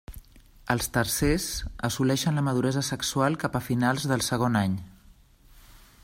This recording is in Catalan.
Els tarsers assoleixen la maduresa sexual cap a finals del segon any.